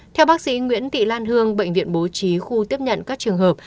theo bác sĩ nguyễn thị lan hương bệnh viện bố trí khu tiếp nhận các trường hợp